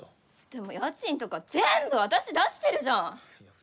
でも家賃とか全部、私出してるじゃん！